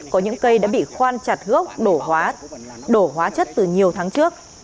có những cây đã bị khoan chặt gốc đổ hóa chất từ nhiều tháng trước